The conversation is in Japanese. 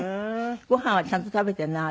ごはんはちゃんと食べてるの？